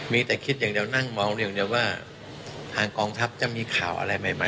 มีแต่คิดอย่างเดียวนั่งเมาอย่างเดียวว่าทางกองทัพจะมีข่าวอะไรใหม่